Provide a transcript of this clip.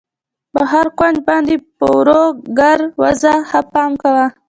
پر هر کونج باندې په ورو ګر وځه، ښه پام کوه.